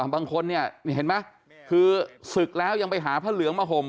บางคนเนี่ยเห็นไหมคือศึกแล้วยังไปหาพระเหลืองมาห่ม